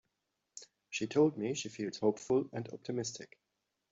She told me she feels hopeful and optimistic.